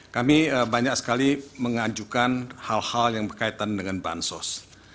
kami banyak sekali mengajukan hal hal yang berkaitan dengan bansos